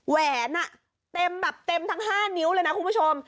แหวนเต็มแบบเต็มทั้ง๕นิ้วเลยนะคุณผู้ชม